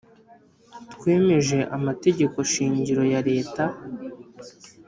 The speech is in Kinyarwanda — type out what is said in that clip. Twemeje Amategeko shingiro ya leta